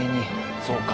そうか。